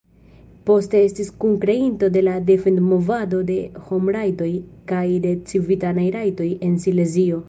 Poste estis kunkreinto de la Defend-Movado de Homrajtoj kaj de Civitanaj Rajtoj en Silezio.